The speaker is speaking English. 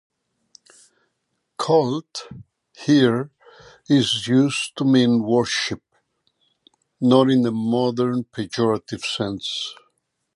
"Cult" here is used to mean "worship", not in the modern pejorative sense.